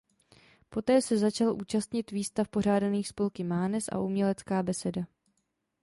Poté se začal účastnit výstav pořádaných spolky Mánes a Umělecká beseda.